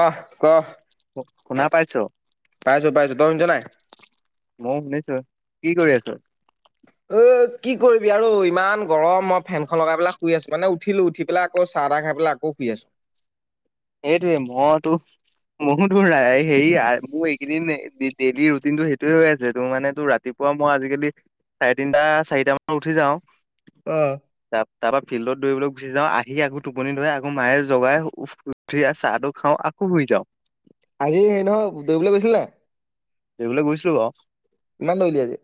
অহ ক। শুনা পাইছ। পাইছো পাইছো তই শুনিছ নাই? ময়ো শুনিছো কি কৰি আছ অ কি কৰিবি আৰু ইমান গৰম মই ফেনখন লগাই পেলাই শুই আছো মানে উঠিলো উঠি পেলাই আকৌ চা চাহ-তাহ খাই পেলাই আকৌ শুই আছো। [unintelligible] সেইটোৱে মইতো মোতো হেৰি মোৰ এইকেইদিন ডে ডেইলি ৰুটিন। কিন্তু সেইটোয়ে হৈ আছে তোৰ মানে তোৰ ৰাতিপুৱা মই আজিকালি চাৰে তিনটা চাৰিটা মানত উঠি যাও। আহ তা তাপা ফিল্ডত। দৌইবলে গুচি যাওঁ আহি আকৌ টোপনি ধৰি আকৌ মায়ে জগাই উ উ উঠি আ চাহ টো খাওঁ আকৌ শুই যাওঁ। আজি হেৰি নহয় দৌবলৈ গৈছিলি নাই দৌইবলে গৈছিলো বাও কিমান দৌৰিলি আজি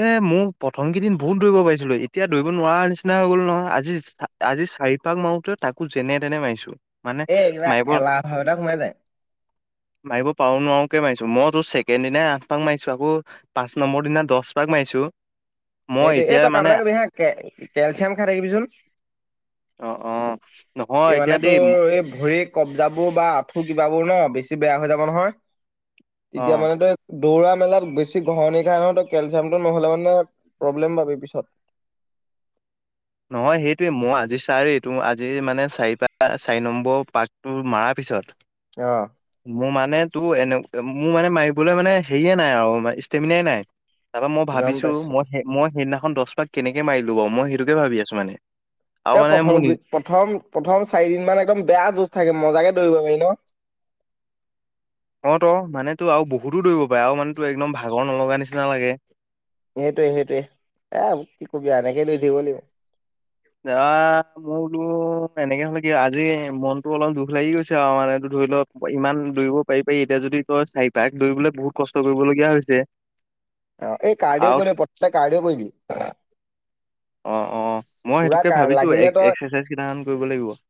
এ মোক প্ৰথম কেইদিন বহুত দৌৰিব পাৰিছিলো এতিয়া দৌৰিব নোৱাৰা নিচিনা হৈ গলো নহয় আজি আজি। চাৰি পাক মাৰোতে তাকো যেনে তেনে মাৰিছো। মানে এ কিবা মাৰিব এলাহ ভাৱ এটা সোমাই যায়। মাৰিব পাৰো নোৱাৰো কে মাৰিছো মই তোৰ ছেকেণ্ড দিনাই আঠ পাক মাৰিছো আকৌ পাঁচ নম্বৰ দিনা দছ পাক মাৰিছো মই সেইটো এই এতিয়া তই কাম মানে এটা কৰিবি হা কে কেলচিয়াম খাই থাকিবিচোন অ অ এই নহয় মানে এতিয়া দেই তোৰ এই ভৰি কব্জাবোৰ বা আপ খোজবা বোৰ ন বেছি বেয়া হৈ যাব নহয় অ তেতিয়া মানে তই দৌৰা মেলাত বেছি গহনিৰ খাই নহয় কেলচিয়ামটো নহ'লে মানে প্ৰব্লেম পাবি পিছত নহয় সেইটোৱে মই আজি চাৰি তো আজি মানে চাৰি পা চাৰি নম্বৰ পাকটো মাৰাৰ পিছত অহ মোৰ মানে তোৰ এনে মোৰ মানে মাৰিবলৈ মানে হেৰিয়ে নাই আৰু ষ্টেমিনাই নাই। তাপা মই গম ভাবিছো পাইছো মই মই সেইদিনাখন দহ পাক কেনেকে মাৰিলো বাৰু। মই সেইটোকে ভাবি আছো মানে। আৰু এ মানে প্ৰথম মোৰ নিজ প্ৰথম প্ৰথম চাৰি দিন মান একদম বেয়া ঝোজ চাগে মজাকে দৌৰিব পাৰি ন। অ ত মানে তো আৰু বহুতো দৌৰিব পাৰে আৰু মানে তোৰ একদম ভাগৰ নলগা নিচিনা লাগে। সেইটোৱে সেইটোয়ে এ কি কবি এনেকে লৈ জিব লাগিব। এ মোৰতো এনেকে হ'ল কি আজি মনতটো অলপ দুখ লাগি গৈছে আও মানে ধৰি লওক ইমান দৌৰিব পাৰি পাৰি এতিয়া যদি তই চাৰিপাক দৌৰিবলৈ বহুত কষ্ট কৰিবলগীয়া হৈছে। [inaudible] অ এই কাৰ্ডেও আৰু কৈলে প্ৰতেক কাৰ্ডেও কৰিবি। অ অ মই পুৰা সেইটোকে কা ভাবিছো লাগিলে তই এক্সাৰচাইজ কেইটামান ক-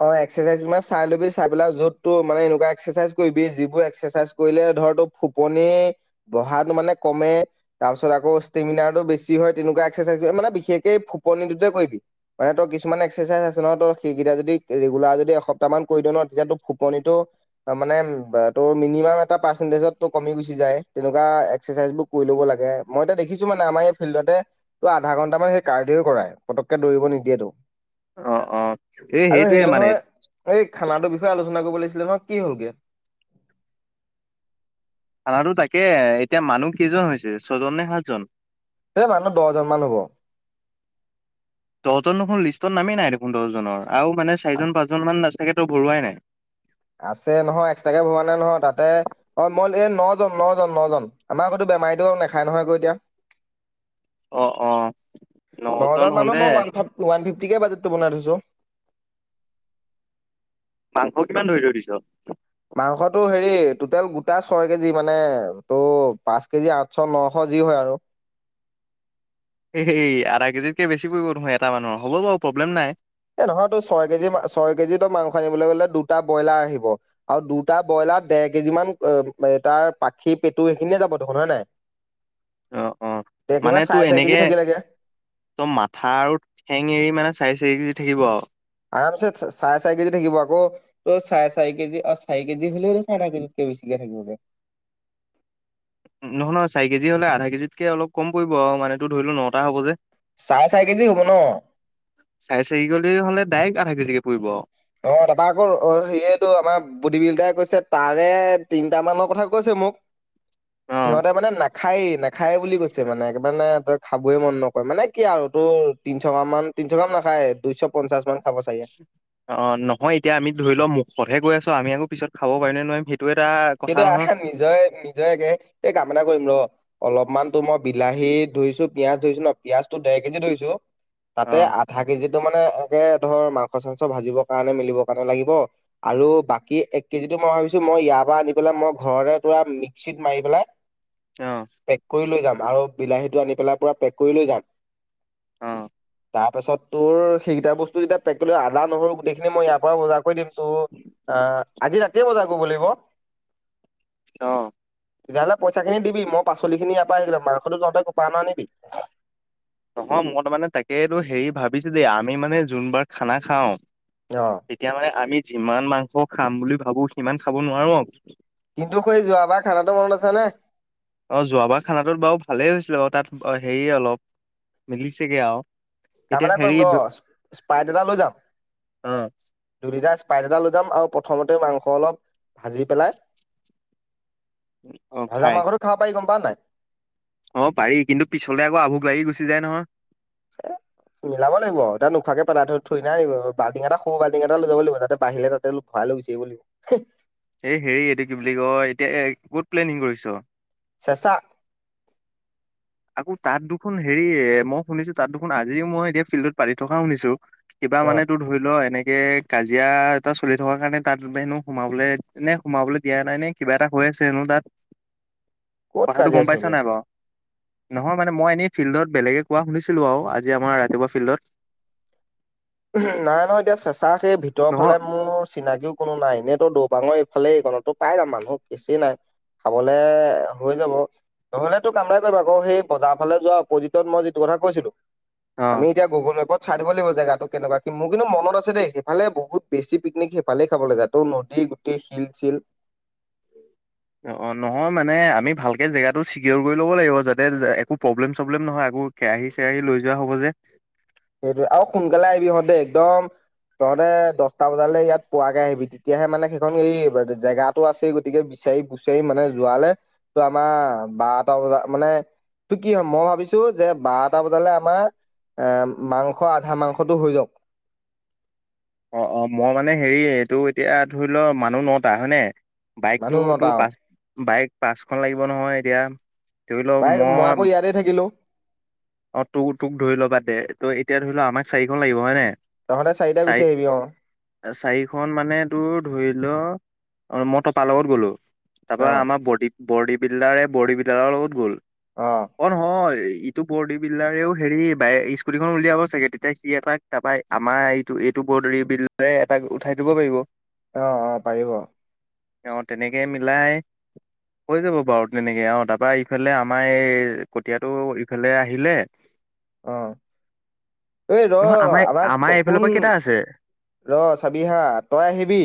অ এক্সাৰচাইজ ম চাই লবি চাই পেলাই য'তো মানে এনেকুৱা এক্সাৰচাইজ কৰিবি যিবোৰ এক্সাৰচাইজ কৰিলে ধৰ তটো ফোপনি বহাত মানে কমে তাৰপিছত আক ষ্টেমিনাৰটো বেছি হয় তেনেকুৱা এক্সাৰচাইজ মানে বিশেষকে ফুপনি দুটে কৰিবি। মানে তই কিছুমান এক্সাৰচাইজ আছে ন ত সেইকেইটা যদি ৰেগুলাৰ যদি এসপ্তাহমান কৰি দিওঁ ন তেতিয়া তো ফুপনিটো মানে বা ত মিনিম এটা পাৰটেনতেজ কমি গুচি যায় তেনেকুৱা এক্সাৰচাইজ বোৰ কৰি লব লাগে, মই এতিয়া দেখিছো মানে আমাৰ ফিল্ডতে আধা ঘন্টা মান কাৰডিয় কৰাই কৰিব নিদিয়েতো অ অ এই আৰু সেইটোয়ে হেৰি মানে নহয় এই খানাটোৰ বিষয়ে আলোচনা কৰিব লাগিব ইছলাম কি হ'ল গে। খানাটো তাকে এতিয়া মানুহ কেইজন হৈছে ছয়জন নে সাতজন। এই মানুহ দহজন মান হব। দহজন নখোন লিষ্টত নামেই নাই দেখোন দহজনৰ আৰু মানে চাৰিজন পাঁচজন মান চাগে ত ভৰোৱাই নাই। আছে নহয় এক্সট্ৰাকে ভৰা নাই নহয় তাতে অ মই এই নজন নজন নজন আমাৰ আগো- আমাৰ আইদেউ নাখায় নহয় এইবোৰ এতিয়া অ অ ন-জন মানুহ মই ওৱান ফি ফিফটিকে বাজেট টো বনাই থৈছো মাংস কিমান ধৰি থৈ দিছ। মাংসটো হেৰি টোটেল গোটা ছয় কেজি মানে ত পাঁচ কেজি আঠশ নশ যি হয় আৰু। এই আধা কেজিতকে বেছি পৰিব নহয় এটা মানুহৰ হ'ব বাৰু প্ৰব্লেম নাই। এ নহয় তই ছয় কেজি ছয় কেজিতো মাংস আনিবলৈ গলে দুটা ব্ৰইলাৰ আহিব আৰু দুটা ব্ৰইল- তাত ডেৰ কেজি মান তাৰ পাখি পেটু সেইখিনিয়ে যাব দেখোন হয় নাই। অ অ ডেৰ কেজি মানে মান চাৰে তোৰ চাৰি কেজি এনেকে থাকিলেগে ত মাথা আৰু ঠেং এৰি মানে চাৰি চাৰি কেজি থাকিব আও। আৰামছে চাৰে চাৰি কেজি থাকিব আকৌ ত চাৰে চি কেজি চাৰি কেজি হলেও আধা কেজি। বেছিকে থাকিব গে। [inaudible] নহয় নহয় চাৰি কেজি হ'লে আধা কেজিতকে অলপ কম পৰিব আৰু মানো ধৰি লল নটা হ'ব যে। চাৰে চাৰি কেজি হ'ব ন চাই চাৰি গলে হলে ডাইৰেক্ট আধা কেছিকে পৰিব আও। অ তাৰপা আকৌ অ সেয়েত আমাৰ বদি বিলদাৰে কৈছে তাৰে তিনটা মানৰ কথা কৈছে। মোক অ', সিহতে মানে খায় নেখায় বুলি কৈছে মানে একবাৰে ন তই খাবই মন নকৰে মানে কি আৰু তোৰ তিনশ গ্ৰাম মান তিনশ গ্ৰাম নাখায় দুইশ পঞ্চাশ মান খাব চাগে। অ অ, নহয় এতিয়া আমি ধৰিলম মুখতহে কৈ আছো আমি আকৌ পিছত খাব পাৰিম নে নোৱাৰিম সেই সেইটো আহা নিজয় নিজয়াকে এই কামনা কৰিম ৰ। অলপমানতো মই বিলাহী ধৰিছো পিয়াজ ধৰিছো ন পিয়াজটো দেৰ কেজি ধৰিছো। তাতে অ', আধা কেজিত। তোৰ মানে এনেকে ধৰ মাংস-চাংস ভাজিবৰ কাৰণে মিলিবৰ কাৰণে লাগিব আৰু বাকী এক কেজিটো মই ভাবিছো মই ইয়াৰ পৰা আনিম। এইবিলাক মই ঘৰৰে পৰা মিক্সিত মাৰি পেলাই অ', পেক কৰি লৈ যাম আৰু বিলাহীটো আনি পেলাই পুৰা পেক কৰি লৈ যাম। অঁ তাৰপাছত তোৰ সেইকেইটা বস্তু যেতিয়া পেক কৰিলো আদা নহৰু গোটেইখিনি মই ইয়াৰ পৰা বজাৰ কৰি নিম। ত আহ আজি ৰাতিয়ে বজাৰ কৰিব লাগিব। অ তেতিয়াহ'লে পইচা খিনি দিবি মই পাচলি খিনি ইয়াৰ পৰা লৈ লম মাংসটো তহঁতে কপা আন আনিবি তপন মই তাৰমানে তাকেই তোৰ হেৰি ভাবিছো দেই আমি মানে যোনবাৰ খানা খাও অ তেতিয়া মানে আমি যিমান মাংস খাম বুলি ভাবো সিমান খাব নোৱাৰো মোক নখৈ যোৱাবাৰ খানাটো মনত আছে নে? অ, যোৱাবাৰ খানাটোত বাৰু ভালেই হৈছিলে বাৰু তাত ব হেৰি অলপ মিলিছেগে আৰু কাম এতিয়া এটা কৰিম হেৰি ৰ স্পা স্পাইট এটা লৈ যাম অ ব্ৰিজাৰ্চ স্পাইট এটা লৈ যাম আৰু প্ৰথমতে মাংস অলপ ভাজি পেলাই অ ভাজা খাই মাংসটো খাব পাৰি গম পাৱ নাই। অ পাৰি কিন্তু পিছলে আকৌ আভোক লাগি গুচি যায় নহয়। মিলাব লাগিব আও তই নোখোৱাকে পেলাটো থৈ থৈ নাহিব বালটিং এটা সৰু বালটিং এটা লৈ যাব লাগিব যাতে বাহিলে তাতে অলপ ভৰাই আলু বিচাৰিব লাগিব হে এই হেৰি এইটো কি বুলি কয় এতিয়া এই ক'ত প্লেনিং কৰিছ? চেচাঁহ আকৌ তাত দেখোন হেৰি এ মই শুনিছো তাত দেখোন আজিও মই এতিয়া ফিল্ডত পাতি থকা শুনিছো। কিবা অ মানে তোৰ ধৰি ল এনেক কে কাজিয়া এটা চলি থকাৰ কাৰণে তাত হেনো সোমাবলৈ নে সোমাবলৈ দিয়া নাই নে কিবা এটা হয় ছে হেনো তাত ক'ত কথাটো কাজিয়া গম চলি পাইছা নাই আছে বাৰু নহয়, মানে মই এনেই ফিল্ডত বেলেগে কোৱা শুনিছিলো আও আজি আমাৰ ৰাতিপুৱা ফিল্ডত নাই নহয় এতিয়া চেঁচা সেই ভিতৰৰ ফালে নহয় মোৰ চিনাকিও কোনো নাই এনেই তো দৌপাঙৰ এই খালে এইকনতো পাই যাম মানুহ বেছি নাই খাবলে এ এ এ এ হৈ যাব। নহলে তোৰ কাম এটা কৰিব আকৌ সেই বজাৰ ফালে যোৱা অপজিটত মই যিটো কথা কৈছিলো আমি অ', এতিয়া গুগল মেপত চাই লব লাগিব জেগাটো- কেনেকুৱা কি মোৰ কিন্তু মনত আছে দেই সেইফালে বহুত বেছি পিকনিক সেইফালে খাবলৈ যায় ত নদী গোটেই শিল-চিল [unintelligible] [unintelligible] অ অ, নহয় মানে আমি ভালকে জেগাটো চিকিয়ৰ কৰি ল'ব লাগিব যাতে এ একো প্ৰব্লেম-চব্লেম নহয় আকো বোৰ কেৰাহী-চেৰাহি লৈ যোৱা হ'ব যে সেইটো আৰু সোনকালে আহিবি হঁত দেই একদম তহঁতে দছটা বজালৈ ইয়াত পোৱাকে আহিবি তেতিয়াহে মানে সেইখন এই এই এইবাৰ জেগাটো আছেই গতিকে বিছ বিছাৰি-পুচাৰি মানে যোৱালে তো আমাৰ বাৰটা বজাত মানে ত কি হয় মই ভাবিছো যে বাৰটা বজালে আমাৰ এম মাংস আধা মাংসটো হৈ যাওক অ অ, মই মানে হেৰি এইটো এতিয়া ধৰি ল মানুহ নটা হয়নে মানুহ বাইকটো নটা তোৰ অ পাচ বাইক পাঁচখন লাগিব নহয় এতিয়া ধৰিলক বাই আকৌ মই ইয়াতে থাকিলো অ, তোৰ তোক ধৰি ল বাদ দে ত এতিয়া ধৰি ল আমাক চাৰিখন লাগিব হয় নাই তহঁতে চাৰিটা চাৰি গুচি আহিবি অ এ চাৰিখন মানে তোৰ ধৰি ল। অ মই টপা লগত গ'লো তা পা অ আমাৰ বডী বিল্ডাৰে বডী বিল্ডাৰৰ লগত গ'ল। অ নহয় ইটো। বডী বিল্ডাৰেও হেৰি বাই স্কুটিখন উলিয়াব চাগে তেতিয়া সি এটা তাপাই আমাৰ এইটো এইটো ব। বি বিল্ডাৰে এটা উঠাই দিব পাৰিব। অ অ পাৰিব। অ তেনেকে মিলাই। হৈ যাব বাও তেনেকে অ তা পাই ইফালে আমা এই কটিয়াটো। কেলে আহিলে। ঐ ৰ নহয় আমাৰ আমাক আমাৰ এইফালৰ ককনি পৰা কেইটা আছে ৰ চাবি হা তই আহিবি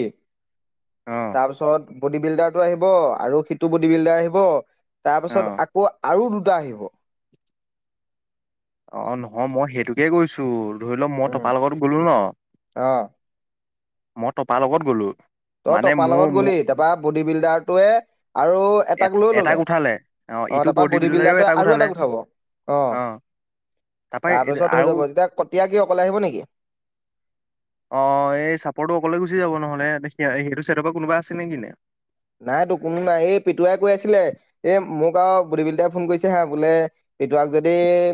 অ তাপিছত। বডি বিল্ডাৰটো আহিব আৰু সিটো বডি বিল্ডাৰ আহিব তাৰ অ পাছত আকৌ আৰু দু দুটা আহিব। অ নহয় মই সেইটোকে কৈছো ধৰি ল মই উম, টপা লগত গলো ন। অ', মই টপা লগত গ'লো। তই মানে টপা লগত মোৰ গ'লি তাপা বডী বিল্ডাৰটোৱে আৰু এ এটাক লৈ ল'লে। উঠালে অ ইটো তা পা বডি বিল্ডাৰেও বিল্ডাৰটোৱে আৰু উঠালে এটাক উঠাব অ। তাৰপা তা পিছত হৈ আৰু যাব এতিয়া কতিয়া কি অকলে আহিব নিকি। অ এই চাপৰটো অকলে গুচি যাব নহ'লে সিটো চাইটৰ পৰা কোনোবা আছে নে কি নে। নাইতো কোনো নাই এই পেতুৱাই কৈ আছিলে এ মোক আও বডীবিল্ডাই ফোন কৰিছে হা বোলে। পেটোৱাক যদি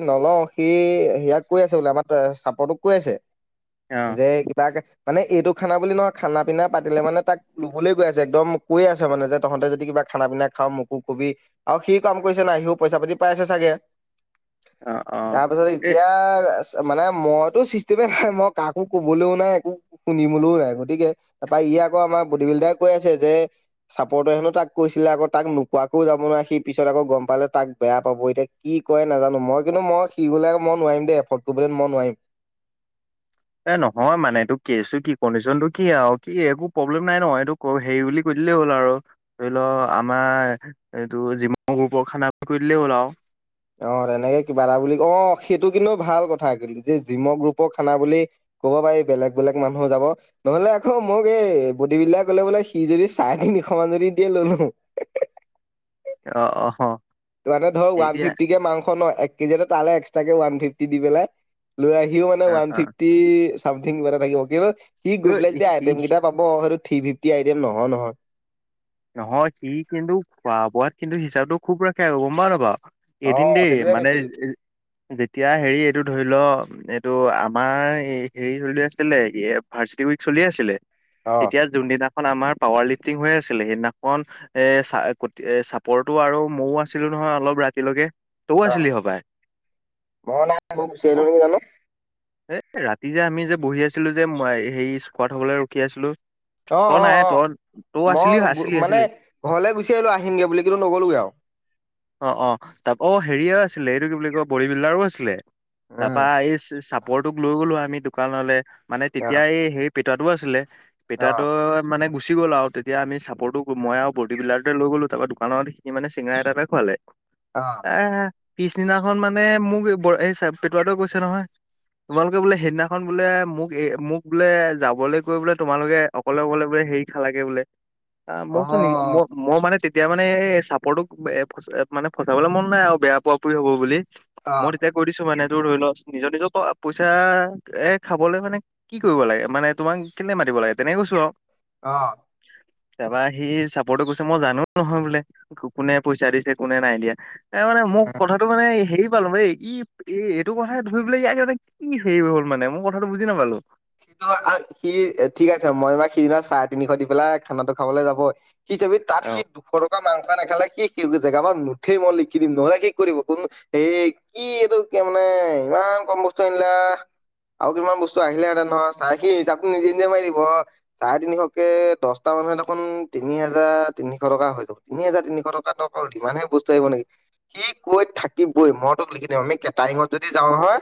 নলওঁ সি সেয়াক কৈ আছে বোলে আমাৰ চাপৰটোক কৈ আছে। অ যে কিবাকে মানে এইটো খানা বুলি নহয় খানা পিনা পাতিলে মানে তাক লোবলে কৈ আছে একদম। কৈয় আছে মানে যে তহঁতে যদি কিবা খানা পিনা খাও মোকো কবি আও সিও কাম কৰিছে না সিও পইচা পাতি পাইছে চাগে। অ অ তাৰপিছত এ এতিয়া মানে মইতো চিচ গতিকে মই কাকো কবলৈও নাই একো শুনিবলৈও নাই গতিকে তাপা ই আক আমাৰ বডী বিল্ডাৰ ক কৈ আছে যে। চাপৰটোৱে হেনো তাক কৈছিলে আকৌ তাক নোকোৱাকৈও যাব নোৱাই সি পিছত আকৌ গম পালে তাক বেয়া পাব এতিয়া। কি কয় নাজানো মই কিন্তু মই সি গ'লে মই নোৱাৰিম দেই এফৰ্ড কৰিবলে মই নোৱাৰিম। [unintelligible] এ নহয় মানে এইটো কেচো কি কণ্ডিচন টো কি আও কি একো প্ৰব্লেম নাই ন এইটো ক হেৰি বুলি কৈ কৈ দিলে হ'ল আৰু ধৰি ল আমাৰ এইটো যিমান গ্ৰুপৰ খানা আ কৈ দিলেই হ'ল আও। অ তেনেকে কিবা এটা বুলি অ সেইটো কিন্তু ভাল কথা যে জিম গ্ৰুপ খানা বুলি। ক'ব পায়ি বেলেগ বেলেগ মানুহ যাব নহলে আকৌ মোক এই বডী বিল্ডাই কলে বোলে সি যদি চাই থাকে। সমান যদি দিয়ে ললো হে হে। অ অ হ এতিয়া। মুখন এক কেজি এটা তালে এক্সতাকে ওৱান ফিফটি দি পেলাই লৈ আহি অ মানে ওৱান ফিফটি চামথিং কিবা এটা থাকিব কিন্তু সি গৈ পেলাই যেতিয়া ই আইটেম সি কেইটা পাব হয়তো। থ্ৰী ফিফটি আইটেম নহয় নহয়। নহয় সি কিন্তু খোৱা বোৱাত কিন্তু হিচাপটো খুব ৰাখে আক গম পাও নেপাও। অ এদিন দেই সেইটোয়ে মানে কৈছো যেতিয়া হেৰি এইটো ধৰি ল। ত' আমাৰ হেই হেৰি হৈ আছিলে ফাৰ্চটিয়েৰ উইক চলি আছিলে। অ এতিয়া যোনদিনাখন আমাৰ পাৱাৰ লিটিং হৈ আছিলে। কেলে সেইদিনাখন এ চাই কতিয়া এ চাপৰতো আৰু ময়ো আছিলো নহয় অলপ ৰাতিলৈকে। তইও অ আছিলি হপাই ম‌ই নাই মই গুচি আহিলো নহ ইয়ালে এ ৰাতি যে আমি যে বহি আছিলো যে মই হেই ইচখোৱা থবলে ৰখি আছিলো। অ তই অ নাই অ তই তই আছিলি মই অ আছিলি মানে আছিলি ঘৰলে গুচি আহিলো আহিমগে বুলি কিন্তু নগলোগে আও। অ অ তাক অ। হেৰিয়েও আছিলে এইটো কি বুলি কয় বডী বিল্ডাৰো আছিলে তাপা এই চে চাপ লৈ গ'লো আমি দোকানলে মানে তেতিয়া উম এই হেই পেটোৱাটো আছিলে অ পটোৱাটো মানে গুচ গুচি গ'ল আও তেতিয়া আমি চাপৰটোক মই আও বল্ডিৰটোৱে লৈ গলো তাৰ দোকানত সি মানে চেঙৰা এটা এটা খোৱালে। এ পিছদিনাখন মানে মোক এই চে পেটোৱাটো কৈছে নহয়। তোমালোকে বোলে সেইদিনাখন বোলে মোক মোক বোলে যাবলৈ কৈ বোলে তোমালোকে অকলে অকলে বোলে সে সেই খালাগে বোলে, আ মই অ কৈছো নি ম ম মানে তেত এতিয়া মানে এ চাপৰটোক এ ফচা মানে ফচাবলৈ মন নাই আও বেয়া পোৱা পুই হ'ব বুলি অ অ অ মই তেতিয়া কৰি দিছো মানে তো ধৰি ল নিজৰ নিজৰ কৰ আ পইচা এ খাবলে মানে কি কৰিব লাগে মানে তোমাক কেনে মাতিব লাগে তেনেকে কৈছো আও। অ। তাৰপৰা সি চাপৰ্টো কৰিছে মই জানো নহয় বোলে টোক কোনে পইচা দিছে কোনে নাই দিয়া। এ মানে মোক কথাটো মানে হেৰি পালো এই ই এই এইটো কথাই ধৰিবলৈ ইয়াক ইহঁতে ই সেই হৈ গল মানে মই কথাটো বুজি নাপালো। সিটো সি ঠিক আছে মই বা সি বা চাৰে তিনিশ দি পেলাই খানাটো খাবলৈ যাব হিচাপি তাত অ সি দুশ টকা মাংস নেখালে সি- জেগা পৰা নুঠেই মই লিখি দিম। নহলে শেষ কৰি দিব কোন হে কি এইটো কেনাই ইমান ইমান কম বস্তু আনিলা আৰু কিমান বস্তু আহিলেহেঁতেন। ন চাৰে সি হিচাপটো নিজে নিজে মাৰি দিব চাৰে তিনিশকে দহটা মানুহে দেখোন তিনি হাজাৰ তিনিশ টকা হৈ যাব তিনি হোজাৰ তিনিশ টকা ইমান হে বস্তু আহিব নেকি সি কৈ থাকিবই। মই তোক লিখি দিম আমি কেটাৰিঙত যদি যাওঁ নহয়,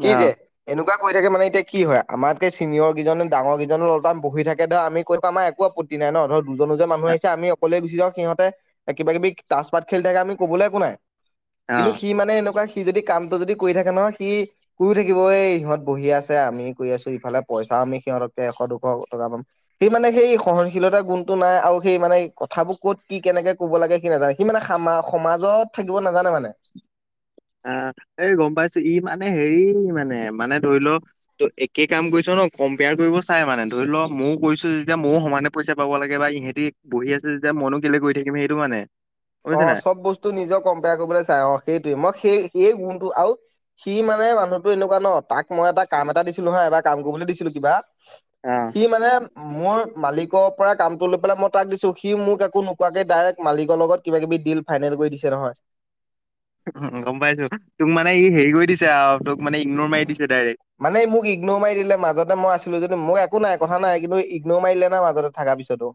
সি যে অ এনেকুৱা কৰি থাকে মানে এতিয়া কি হয়। আমাতকে চিনিয়ৰ কিজনে ডাঙৰ কেইজনে লতাম বহি থাকে ধৰা আমি কৈ পাম আ একো আপত্তি নাই ন ধৰ দুজনো যে মানুহ আহি আমি অকলে গুচি যাও সিহতে কিব কিবি তাচ পাত খেলি থাকে আমি ক'বলৈ একো নাই। অ কিন্তু সি মানে এনেকুৱা সি যদি কামতটো যদি কৰি থাকে নহয়, সি শুই থাকিব। ই ইহঁত বহি আছে আমি কৰি আছো ইফালে পইচা আমি সিহঁতকে এশ দুশ টকা পাম সি মানে সেই সহনশীলতা গুমটো নাই আও সেই মানে কথাবোৰ ক'ত কি কেনেকে কব লাগে কি নাজানে, সি খামা সমাজত থাকিব নাজানে মানে। [inaudible] আহ এই গম পাইছো ই মানে হেৰি মানে মানে ধৰি লও ত একে কাম কৰিছ ন কম্পেয়াৰ কৰিব চাই মানে, ধৰি লও ময়ো কৰিছো যেতিয়া ময়ো সমানে পইচা পাব লাগে বা ইহতি বহি আছে। যেতিয়া মনো কেলে কৰি থাকিম সেইটো মানে। গম পাইছ অ নাই চব বস্তু নিজেও কম্পেয়াৰ কৰিবলৈ চাই অ সেইটোৱে মই সেই এই মোনটো আও সি মানে মানুহটো এনেকুৱা ন তাক মই এটা কাম এটা দিছিলো হা এবাৰ কাম কৰিবলৈ দিছিলো কিবা অ সি মানে মোৰ মালিকৰ পৰা কামটো লৈ পেলাই মই তাক দিছো সি মোক একো নোপোৱাকে ডাইৰেক্ট মালিকৰ লগত কিবা কিবি ডিল ফাইনেল কৰি দিছে নহয়। উ গম পাইছো তোক মানে ই হেৰি কৰি দিছে আও। মানে মোক ইগনৰ মাৰি দিলে মাজতে মই আছিলো যে। মোক একো নাই কথা নাই কিন্তু ইগনৰ মাৰিলে না মাজতে থকাৰ পিছতো।